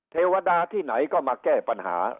เทวดาที่ไหนก็มาแก้ปัญหา